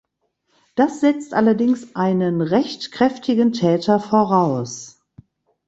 Das setzt allerdings einen recht kräftigen Täter voraus.